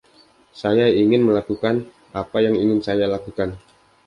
Saya ingin melakukan apa yang ingin saya lakukan.